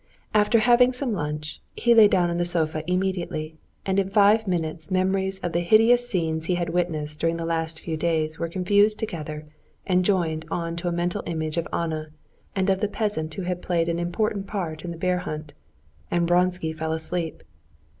After having some lunch, he lay down on the sofa immediately, and in five minutes memories of the hideous scenes he had witnessed during the last few days were confused together and joined on to a mental image of Anna and of the peasant who had played an important part in the bear hunt, and Vronsky fell asleep.